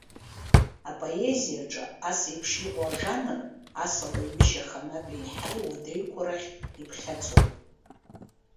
Апоезиаҿы асеиԥш иҟоу ажанр, ас ала аҩышьа аханатә еиҳа иуадаҩқәоу рахь иԥхьаӡоуп.